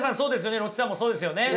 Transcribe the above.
ロッチさんもそうですよね。